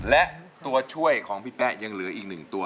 และตัวช่วยของพี่แป๊ะยังเหลืออีก๑ตัว